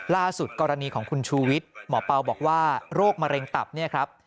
ล่าสุดกรณีของคุณชูวิทย์หมอเปล่าบอกว่าโรคมะเร็งตับเนี่ยครับ